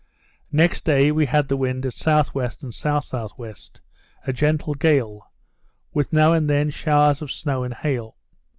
Next day we had the wind at S.W. and S.S.W., a gentle gale, with now and then showers of snow and hail.